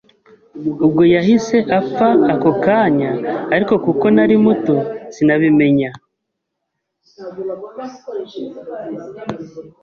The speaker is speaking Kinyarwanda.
ubwo yahise apfa ako kanya ariko kuko nari muto sinabimenya